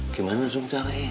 gimana dong caranya